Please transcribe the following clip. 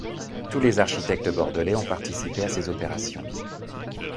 Tous les architectes bordelais ont participé à ces opérations.